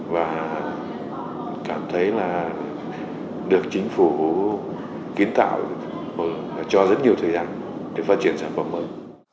và cảm thấy là được chính phủ kiến tạo cho rất nhiều thời gian để phát triển sản phẩm mới